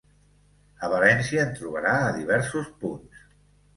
A València en trobarà a diversos punts.